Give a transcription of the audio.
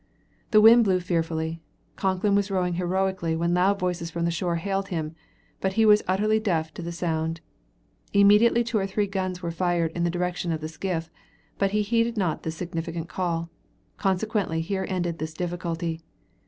The wind blew fearfully. Concklin was rowing heroically when loud voices from the shore hailed him, but he was utterly deaf to the sound. Immediately one or two guns were fired in the direction of the skiff, but he heeded not this significant call; consequently here ended this difficulty.